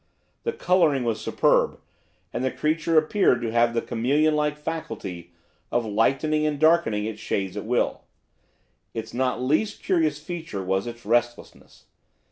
The colouring was superb, and the creature appeared to have the chameleonlike faculty of lightening and darkening the shades at will. Its not least curious feature was its restlessness.